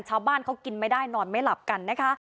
ชาวบ้านเขากินไม่ได้นอนไม่หลับกันนะคะ